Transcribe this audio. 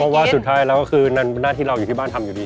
เพราะว่าสุดท้ายแล้วนั่นหน้าที่เราอยู่บ้านทำอยู่ดี